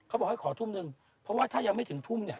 เขาบอกให้ขอทุ่มนึงเพราะว่าถ้ายังไม่ถึงทุ่มเนี่ย